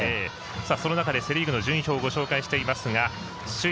その中でセ・リーグの順位表をご紹介していますが首位